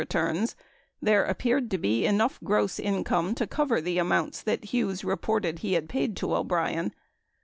1028 returns, there appeared to be enough gross income to cover the amounts that Hughes reported he had paid O'Brien.